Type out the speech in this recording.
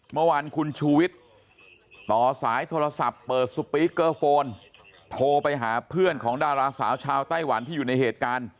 เมื่อวานคุณชูวิทย์ต่อสายโทรศัพท์เปิดสปีกเกอร์โฟนโทรไปหาเพื่อนของดาราสาวชาวไต้หวันที่อยู่ในเหตุการณ์